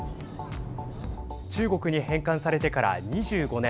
中国に返還されてから２５年。